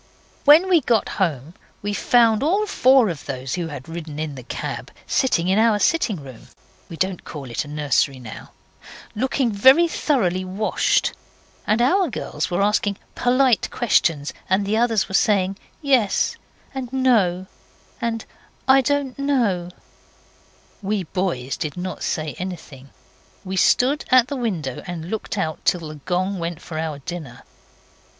When we got home we found all four of those who had ridden in the cab sitting in our sitting room we don't call it nursery now looking very thoroughly washed, and our girls were asking polite questions and the others were saying 'Yes' and 'No', and 'I don't know'. We boys did not say anything. We stood at the window and looked out till the gong went for our dinner.